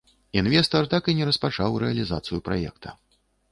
Інвестар так і не распачаў рэалізацыю праекта.